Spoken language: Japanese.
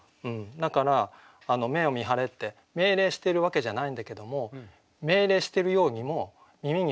だから「目を見張れ」って命令してるわけじゃないんだけども命令してるようにも耳には聞こえると。